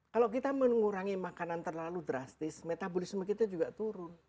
kalau kita mengurangi makanan terlalu drastis metabolisme kita juga turun